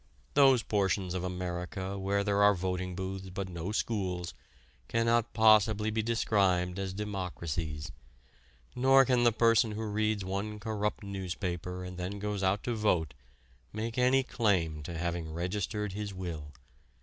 Those portions of America where there are voting booths but no schools cannot possibly be described as democracies. Nor can the person who reads one corrupt newspaper and then goes out to vote make any claim to having registered his will.